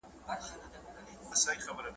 هم دي لاري د تقوا ته هدایت که